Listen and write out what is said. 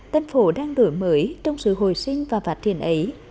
tân phủ đang đổi mới trong sự hồi sinh và phát triển ấy